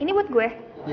ini buat gue